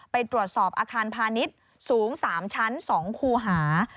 ไปตรวจสอบอาคารพาณิชย์สูง๓ชั้น๒คูหา